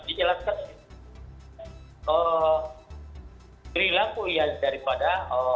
dijelaskan berilaku ya daripada